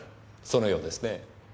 そのようですね。